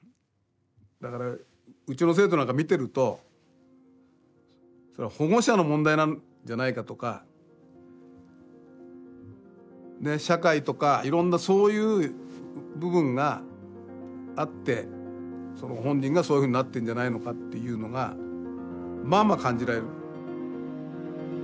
だからうちの生徒なんか見てると保護者の問題なんじゃないかとか社会とかいろんなそういう部分があってその本人がそういうふうになってんじゃないかっていうのがまあまあ感じられる。